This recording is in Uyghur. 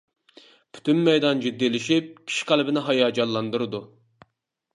پۈتۈن مەيدان جىددىيلىشىپ، كىشى قەلبىنى ھاياجانلاندۇرىدۇ.